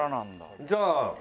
じゃあ。